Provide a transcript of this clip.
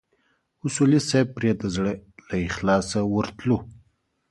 اصولي صیب پرې د زړه له اخلاصه ورتلو.